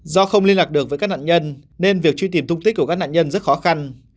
do không liên lạc được với các nạn nhân nên việc truy tìm tung tích của các nạn nhân rất khó khăn